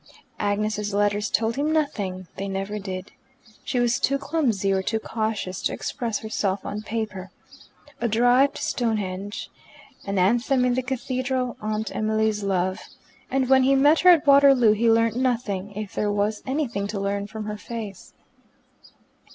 Agnes's letters told him nothing: they never did. She was too clumsy or too cautious to express herself on paper. A drive to Stonehenge; an anthem in the Cathedral; Aunt Emily's love. And when he met her at Waterloo he learnt nothing (if there was anything to learn) from her face.